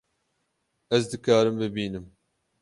Ez dikarim bibînim